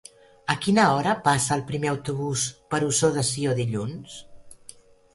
A quina hora passa el primer autobús per Ossó de Sió dilluns?